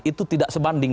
itu tidak sebanding